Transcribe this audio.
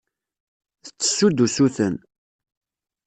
Tettessu-d usuten.